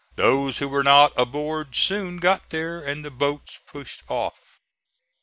Those who were not aboard soon got there, and the boats pushed off.